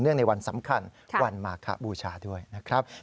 ในวันสำคัญวันมาขบูชาด้วยนะครับ